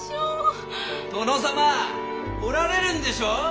・殿様おられるんでしょ。